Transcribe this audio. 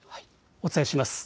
お伝えします。